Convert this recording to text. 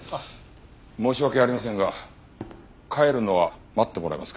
申し訳ありませんが帰るのは待ってもらえますか？